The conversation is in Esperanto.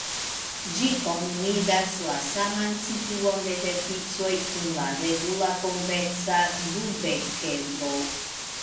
Ĝi komunigas la saman situon de verticoj kun la regula konveksa dudekedro.